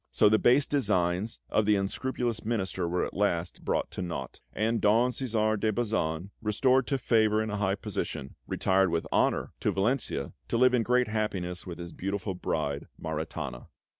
So the base designs of the unscrupulous Minister were at last brought to naught; and Don Cæsar de Bazan, restored to favour and a high position, retired with honour to Valentia to live in great happiness with his beautiful bride, Maritana.